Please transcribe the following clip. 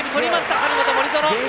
張本、森薗！